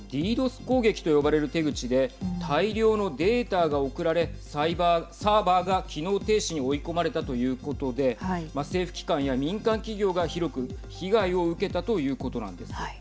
攻撃と呼ばれる手口で大量のデータが送られサーバーが機能停止に追い込まれたということで政府機関や民間企業が広く被害を受けたということなんです。